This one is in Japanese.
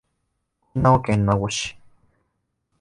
沖縄県名護市